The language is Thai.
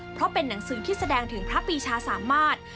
เพราะเป็นหนังสือที่แสดงถึงพระปีชาสามารถ